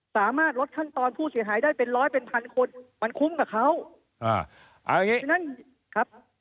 สามารถลดขั้นตอนผู้เสียหายได้เป็นร้อยเป็นพันคนมันคุ้มกับเขา